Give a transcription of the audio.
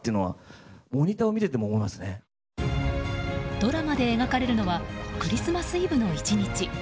ドラマで描かれるのはクリスマスイブの１日。